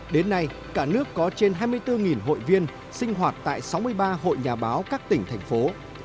đến nay cả nước có trên hai mươi bốn hội viên sinh hoạt tại sáu mươi ba hội nhà báo các tỉnh thành phố